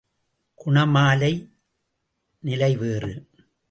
குணமாலை நிலை வேறு.